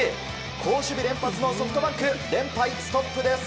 好守備連発のソフトバンク連敗ストップです！